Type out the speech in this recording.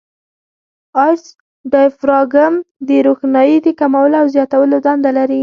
آیرس ډایفراګم د روښنایي د کمولو او زیاتولو دنده لري.